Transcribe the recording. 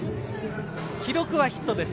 記録はヒットです。